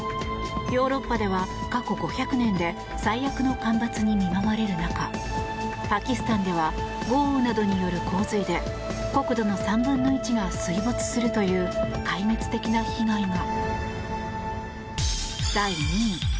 ヨーロッパでは、過去５００年で最悪の干ばつに見舞われる中パキスタンでは豪雨などによる洪水で国土の３分の１が水没するという壊滅的な被害が。